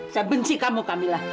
saya benci kamu kamilah